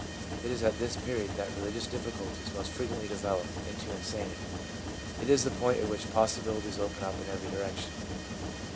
It is at this period that religious difficulties most frequently develop into insanity. It is the point at which possibilities open up in every direction.